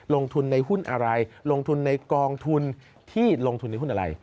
ลงทุนในหุ้นอะไรลงทุนในกองทุนที่ลงทุนในหุ้นอะไร